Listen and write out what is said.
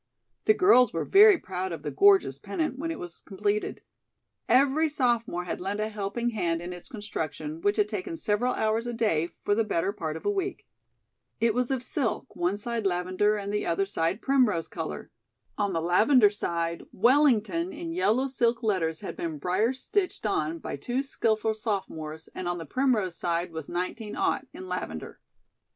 The girls were very proud of the gorgeous pennant when it was completed. Every sophomore had lent a helping hand in its construction, which had taken several hours a day for the better part of a week. It was of silk, one side lavender and the other side primrose color. On the lavender side "WELLINGTON" in yellow silk letters had been briar stitched on by two skillful sophomores and on the primrose side was "19 " in lavender.